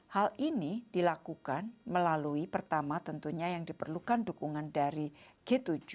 hal ini dilakukan melalui pertama tentunya yang diperlukan dukungan dari g tujuh